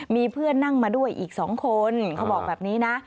มีเพื่อนนั่งมาด้วยอีก๒คนเขาบอกแบบนี้นะ